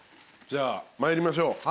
じゃあ参りましょう。